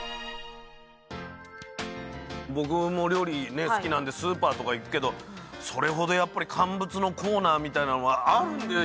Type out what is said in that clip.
僕も料理好きなんでスーパーとか行くけどそれほどやっぱり乾物のコーナーみたいなのはあるんでしょうけど